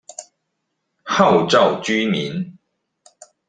號召居民